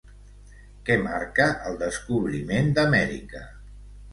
Què marca el descobriment d'Amèrica?